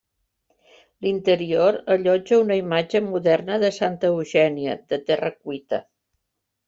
L'interior allotja una imatge moderna de Santa Eugènia, de terra cuita.